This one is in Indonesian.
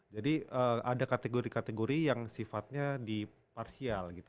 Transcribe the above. jadi ada kategori kategori yang sifatnya di partial gitu